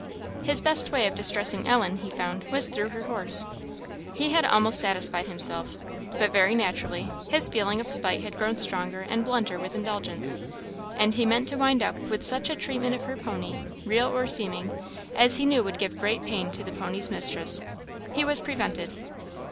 His best way of distressing Ellen, he found, was through her horse; he had almost satisfied himself; but very naturally his feeling of spite had grown stronger and blunter with indulgence, and he meant to wind up with such a treatment of her pony, real or seeming, as he knew would give great pain to the pony's mistress. He was prevented.